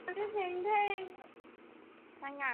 与沈光文及徐孚远等人并称东宁三子。